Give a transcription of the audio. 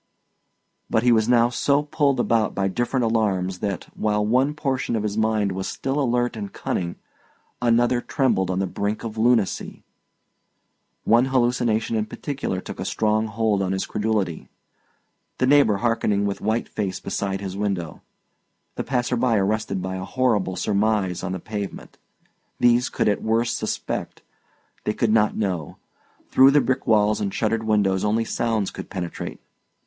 But he was now so pulled about by different alarms that, while one portion of his mind was still alert and cunning, another trembled on the brink of lunacy. One hallucination in particular took a strong hold on his credulity. The neighbour hearkening with white face beside his window, the passer by arrested by a horrible surmise on the pavement these could at worst suspect, they could not know; through the brick walls and shuttered windows only sounds could penetrate.